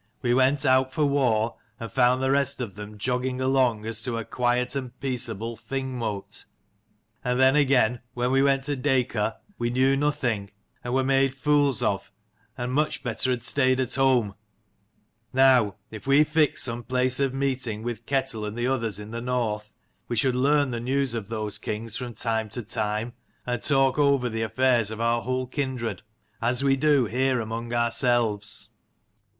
We went out for war, and found the rest of them jogging along as to a quiet and peaceable Thing mote. And then again when we went to Dacor we knew nothing, and were but made fools of, and much better had stayed at home. Now if we fixed some place of meeting with Ketel and the others in the north, we should learn the news of those kings from time to time, and talk 75 over the affairs of our whole kindred, as we do here among ourselves."